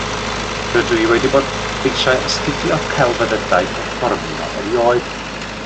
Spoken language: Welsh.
Rydw i wedi bod eisiau astudio celfyddydau perfformio erioed